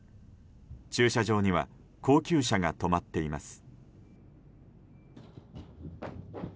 駐車場には高級車が止まっています。